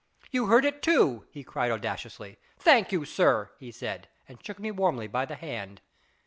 " You heard it too," he cried audaciously. " Thank you, sir," he said, and shook me warmly by the hand.